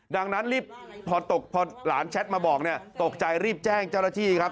ดังนั้นพอหลานแชทมาบอกตกใจรีบแจ้งเจ้าหน้าที่ครับ